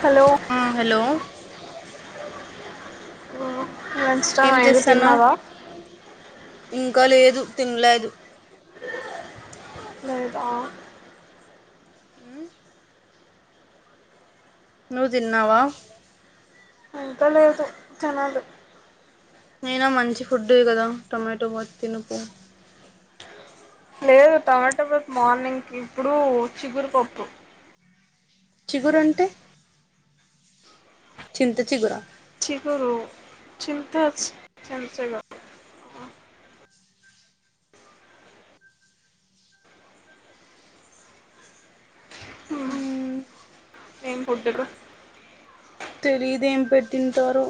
Hello ఆ hello wow lunch time ఏం అయింది చేస్తాన్నావ్ తిన్నవా ఇంకా లేదు తిన్లేదు లేదా ఆ నువు తిన్నావా ఇంకా లేదు తినాలి అయినా మంచి ఫుడే కదా టొమాటో బాత్ తినపో లేదు టమాటా బాత్ మార్నింగ్ కి ఇప్పుడు చిగురుపప్పు చిగురు అంటే చింత చిగుర చిగురు చింత చింత చిగురు ఏం ఫుడ్ గో తెలిదు ఏం పెట్టింటారో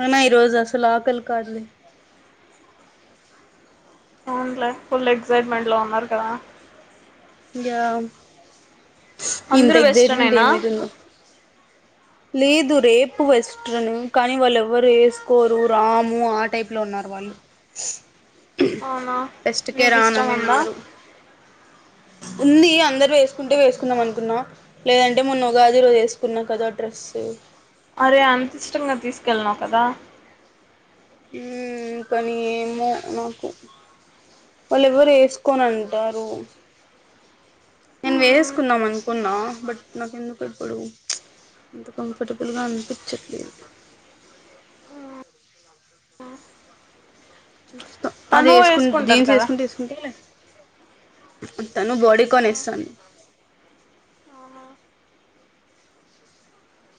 అయినా ఈరోజు అసలు ఆకలి కాదులే అవున్లే ఫుల్ ఎక్సైట్మెంట్ లో ఉన్నారు కదా య ఇంత అందరూ ఎగ్ జైట్మెంట్ వెస్ట్రనేనా ఏమైతుందో లేదు రేపు వెస్ట్రను కానీ వాళ్ళు ఎవరు వేసుకోరు రాము ఆ టైప్ లో ఉన్నారు వాళ్ళు అవునా టెస్ట్కే నీకు ఇష్టం రానని ఉందా ఉన్నారు ఉంది అందరు ఏసుకుంటే వేసుకుందాం అనుకున్నా లేదంటే మొన్న ఉగాది రోజు వేసుకున్నా కదా డ్రెసు అరే అంతీష్టంగా తీసుకెళ్ళినావు కదా ఉ కానీ ఏమో నాకు వాళ్ళు ఎవరు ఏసుకోను అంటారు నేను వేసుకున్నాం అనుకున్నా బట్ నాకు ఎందుకు ఇప్పుడు అంత కంఫర్టబుల్గా అనిపించట్లేదు చూస్తా అది తను ఎసుకుంట వేసుకుంటారు జీన్స్ కదా ఏసుకుంటె ఏసుకుంటే తను బాడికాన్ ఎస్తంది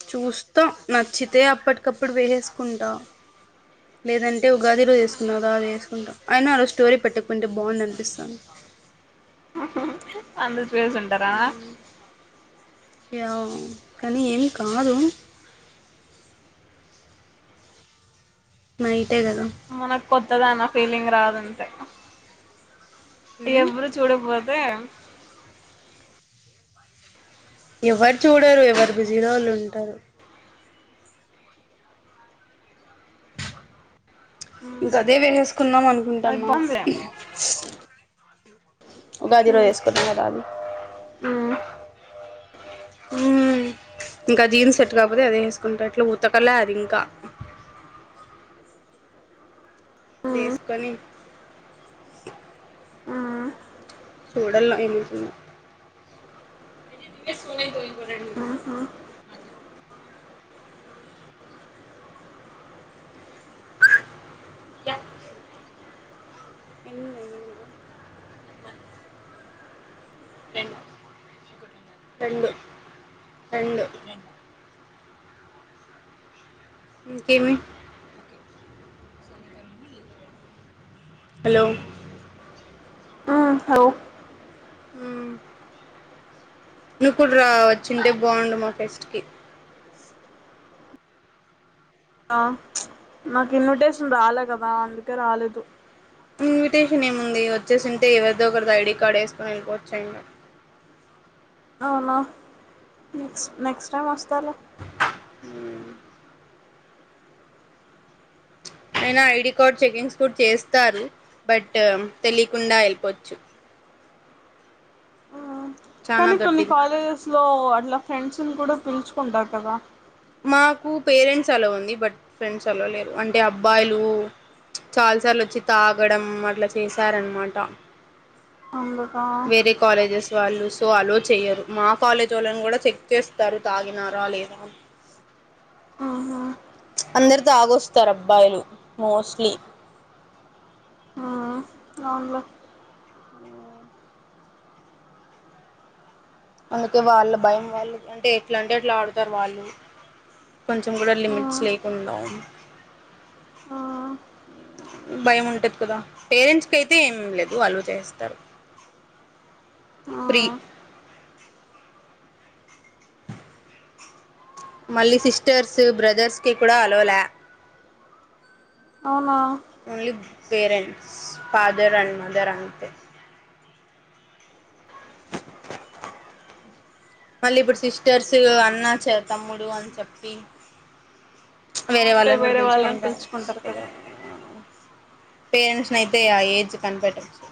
చూస్తా నచ్చితే అప్పటికప్పుడు వేసేసుకుంటా లేదంటే ఉగాది రోజు ఏసుకున్నాగా అది ఏసుకుంటా అయిన ఆ రోజు స్టోరీ పెట్టకపోయుంటే బాగుండు అనిపిస్తాంది అందరు వేస్ ఉంటారా మ్మ్ యా కానీ ఏం కాదు. నైటె గాదా మనకు కొత్తద అన్న ఫీలింగ్ రాదంతే ఉమ్ ఎవరు చూడకపోతే ఎవరు చూడరు ఎవరు బిజీలో వాళ్ళు ఉంటారు. ఇంక మ్ అదే వేసేసుకున్నాం. అను అది కుంటాన్నా బాగుందిలే ఉగాది రోజు ఏసుకున్నద అది మ్ ఉ ఇంకా జీన్స్ సేట్టు కాపోతే అదే ఏసుకుంటా ఎట్ల ఉతకలే అది ఇంకా వేసుకొని మ్ చూడల్ల ఏమైతుందొ ఇవి వేసుకునేకు ఇంకో రెండు మ్హు ఇయచ్చు ఎన్న నీదా రెండు రెండు ఇంకే మీ హలో ఆ హలో హ్ నువ్వు కూడా రా వచ్చుంటే బాగుండు. మా ఫెస్ట్ కి ఆ నాకు ఇన్విటేషన్ రాలే గాదా అందుకే రాలేదు. ఇన్విటేషన్ ఏముంది. వచ్చేసుంటే ఎవరిదో ఒకరిది ఐడి కార్డ్ ఏసుకొని ఏళ్ళిపోవచ్చు. ఏం కాదు. అవునా నెక్స్ట్ నెక్స్ట్ టైం వస్తలె. అయినా ఐడి కార్డ్ చెకింగ్స్ కూడా చేస్తారు. బట్ తెలియకుండా వెళ్పోవచ్చు. మ్ చానా కానీ కొన్ని దొడ్డిది కాలేజెస్ లో అట్లా ఫ్రెండ్స్ కొని కూడా పిలుచుకుంటారు. కదా మాకు పేరెంట్స్ అలా ఉంది. బట్ ఫ్రెండ్స్ అలో లేరు. అంటే అబ్బాయిలు చాలాసార్లు వచ్చి తాగడం అట్లా చేశారు. ఆన్నమాట అంబ వేరే కాలేజెస్ వాళ్ళు సో అలో చెయ్యరు. మా కాలేజ్ వాళ్ళని కూడా చెక్ చేస్తారు. తాగినారా లేదా మ్ హు అందరు తాగొస్తారు. అబ్బాయిలు మోస్ట్లీ అవును లే అందుకే వాళ్ళ భయం వాళ్ళు అంటే ఎట్లా అంటే అట్లా ఆడుతారు. వాళ్ళు కొంచెం కూడా లిమిట్స్ మ్ లేకుండా ఉం మ్ భయం ఉంటది. కదా పేరెంట్స్కి అయితే ఏమం లేదు వాళ్ళు అలో చేస్తారు. ఫ్రీ మ్ మళ్ళీ సిస్టర్స్ బ్రదర్స్ కి కూడా అలో లే అవునా only parents father and mother అంతే మళ్ళీ ఇప్పుడు సిస్టర్స్ అన్నా చే తమ్ముడు అని చెప్పి వేరే అవునులే వాళ్ళని కూడా వాళ్ళని పిలుచుకని రావచ్చు. పిలుచుకుంటారు కదా పేరెంట్స్ నయితే ఆ ఏజ్ కనిపెట్టవచ్చు.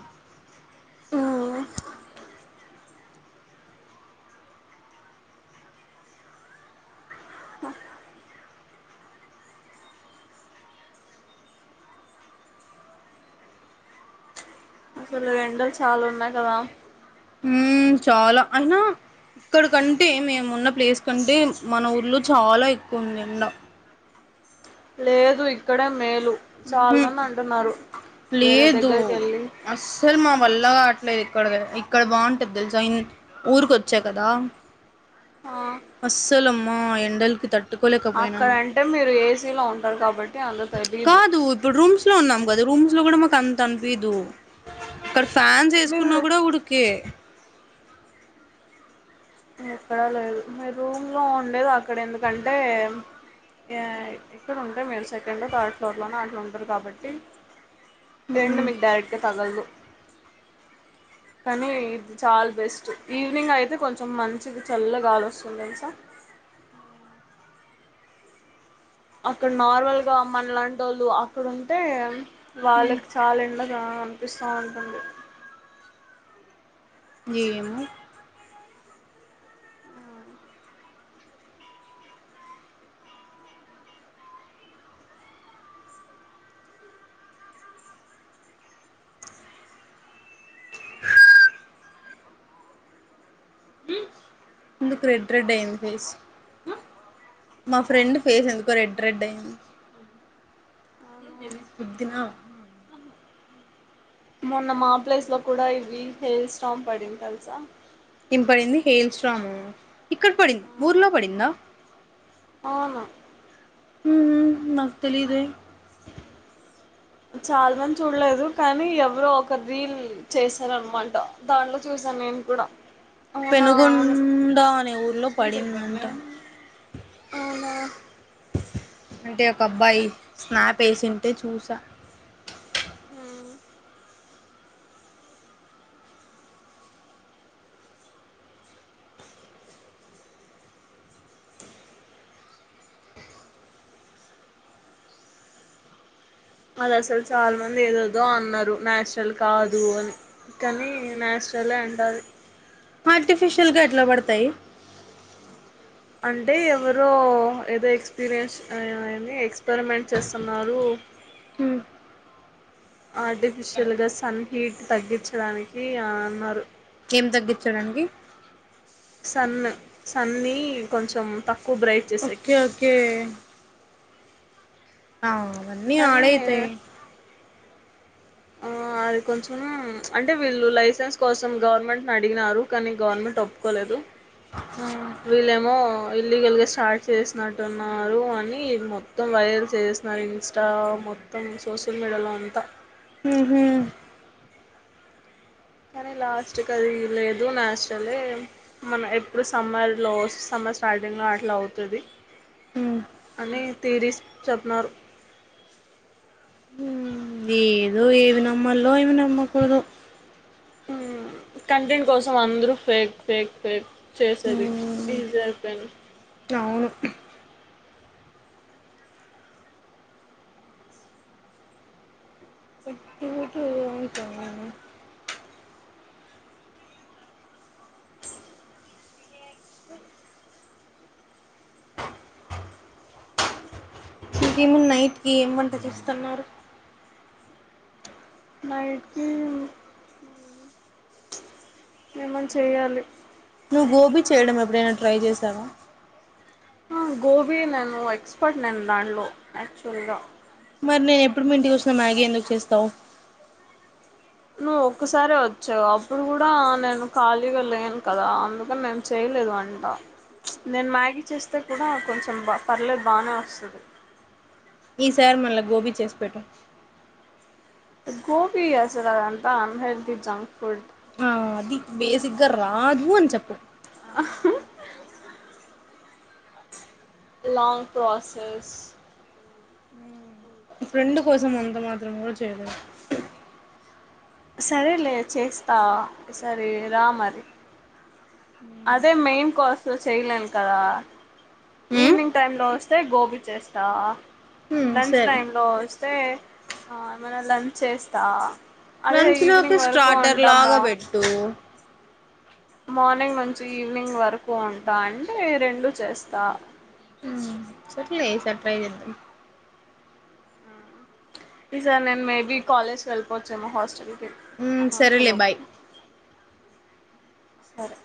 అసలు ఎండలు చాలా ఉన్నాయి. కదా ఉమ్ చాలా అయినా ఇక్కడకంటే మేము ఉన్న ప్లేస్ కంటే మన ఊర్లో చాలా ఎక్కువ ఉంది. ఎండ లేదు ఇక్కడ మేల్ ఉహ్ వేరే లేదు దగ్గరికి వెళ్ళి అస్సలు మా వల్లగావ ట్లేదు ఇక్కడ ఇక్కడ బాగుంటది. తెలుసా ఇం ఊరికి వచ్చా కదా. ఆ అస్సలమ్మా, ఎండలికి తట్ అక్కడంటే, మీరు ఏసీలో ఉంటారు కాబట్టి అంత తెలీదు. ట్లో ఉన్నాం కదా, రూమ్స్ లో కూడ అంత అనిపిదు. ఫాన్స్ మీరు ఏసుకున్నా కూడ ఉడుకే. ఎక్కడా లేదు, మీరు రూమ్లో ఉండేది అక్కడ ఎందుకంటే, ఇక్కడ ఉంటె మీరు సెకండో, థర్డ్ ఫ్లోర్లోనో అట్ల ఉంటరు కాబట్టి. ఎండ మీకు డైరెక్ట్ గా తగల్దు. కానీ ఇది చాలా బెస్ట్ ఈవినింగ్ అయితే కొంచెం మం చిగి చల్లగాలోస్తుంది. దేల్సా అక్కడ నార్మల్ గా మన లాంటోళ్ళు అక్కడ ఉంటే వాళ్ళకి చాలా ఇండ్ల రా అనిపిస్తావుంటుంది. ఏమో ఎందుకు రెడ్ రెడ్ అయింది ఫేస్. మా ఫ్రెండ్ ఫేస్ ఎందుకో రెడ్ రెడ్ అయింది. మొన్న మా ప్లేస్ లో కూడ, ఇవి హేల్ స్టాం పడింది తెలుసా? ఏం పడింది? హేల్ స్ట్రామా? ఇక్కడ పడింది, ఊర్లో పడిందా? అవును. మ్మ్ హు, మాకు తెలీదే? చాలా మంది చూడలేదు, కనీ ఎవరో ఒక రీల్ చేశారనమాట. దాంట్లో చూసాను నేను కూడా. అవునా అవును పెనుగుండా అనే ఊర్లో పడిందన్ ట అవునా? అంటే ఒక అబ్బాయి, స్నాప్ ఏసి వుంటే చూసా. ఆహ్ వాళ్ళసలు చాలా మంది ఏదోదో అన్నరు నాచరల్ కాదు అని, కనీ నచురలే అంట అది. ఆర్టిఫిషియల్గా ఎట్లా పడతయి? అంటే ఎవరో ఏదో ఎక్స్పీరియన్స్ ఏంది, అ ఎక్స్పెరిమెంట్ చేస్తున్నారు. ఆర్టిఫిషియల్ గా, సన్ హీట్ తగ్గించడానికి ఆ అన్నరు. ఏం తగ్గించడానికి? సన్, సన్ నీ కొంచెం తక్కువ బ్రైట్ చేసేకి ఓకే ఓకే. ఆ అవన్నీ కానీ ఆడైతయ్. ఆ అది కొంచెం అంటే వీళ్ళు లైసెన్స్ కోసం గవర్నమెంట్ ని అడిగినారు, కానీ గవర్నమెంట్ ఒప్పుకోలేదు. ఆ వీళ్లేమో ఇల్లీగల్గా స్టార్ట్ చేసినట్టున్నారు అని, మొత్తం వైరల్ చేస్తున్నారు. ఇన్స్టా మొత్తం సోషల్ మీడియాలో అంతా. ఉమ్ హు కానీ లాస్ట్కి అది లేదు, న్యాచురలే మన ఎప్పుడు సమ్మర్లో సమ్మర్ స్టార్టింగ్లో అట్లా అవుతది ఉమ్ అని తీరీస్ చెప్తున్నారు. ఉమ్ ఏదో, ఏమి నమ్మలో ఏమి నమ్మకూడదో. కంటెంట్ కోసం అందరూ ఫేక్, ఫేక్, ఫేక్ చేసేది ఉమ్ ఈజీ అయిపోయింది. అవును ఇంక [inaudible] ఇంకేముందు నైట్ కి ఏం వంట చేస్తున్నారు నైట్ కి ఏమన్న చేయ్యాలి నువ్వు గోబీ చేయడం ఎప్పుడైనా ట్రై చేసావా హా గోబీ నేను ఎక్స్పర్ట్ నేను దాంట్లో యాక్చువల్గా మరి నేను ఎప్పుడు మీ ఇంటికి వచ్చినా మ్యాగీ ఎందుకు చేస్తావు నువ్వు ఒక్కసారే వచ్చావు అప్పుడు కూడా నేను ఖాళీగా లేను కదా అందుక మేము చేయలేదు వంట నేను మ్యాగీ చేస్తే కూడా కొంచెం బ పర్లేదు బానే వస్తది ఈసారి మళ్ళా గోబీ చేసి పెట్టు గోబి అసలు ఆది అంత ఆన్ హెల్తీ జంక్ ఫుడ్ ఆ అది, బేసిగ్గా రాదు అని చెప్పు. ఆ లాంగ్ ప్ర్రాసెస్. ఫ్రెండ్ కోసం అంత మాత్రం కూడ చ్ చేయలేద? సరేలే చేస్తవా? సరే రా మరి. అదే మెయిన్ కోస్ చేయలేను కదా ఈవినింగ్ టైమ్ లో వస్తే గోబీ చేస్తా ఉమ్ లంచ్ సరే టైమ్ లో వస్తే ఆ ఏమైనా లంచ్ చేస్తా అదే లంచ్ లోకి ఈవినింగ్ వరకు స్టార్టర్ లాగా ఉంటామా పెట్టు మార్నింగ్ నుంచి ఈవినింగ్ వరకు ఉంటా అంటే రెండు చేస్తా [unintelligible] ట్రై చేద్దాం ఈసారీ నేను మేబి కాలేజ్ కి వెళ్ళిపోవచ్చామో హాస్టల్ కి ఉమ్ సరేలే బాయ్ [unintelligible] సరే